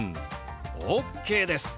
ＯＫです！